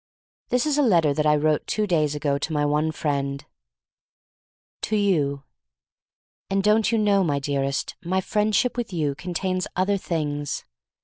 This is a letter that I wrote two days ago to my one friend: "To you: — "And don't you know, my dearest, my friendship with you contains other things?